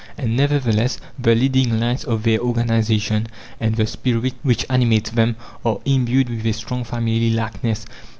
And nevertheless, the leading lines of their organization, and the spirit which animates them, are imbued with a strong family likeness.